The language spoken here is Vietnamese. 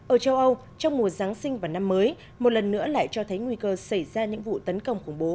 ở châu âu trong mùa giáng sinh và năm mới một lần nữa lại cho thấy nguy cơ xảy ra những vụ tấn công khủng bố